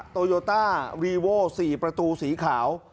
โตโยต้ารีโว๔ประตูสีขาว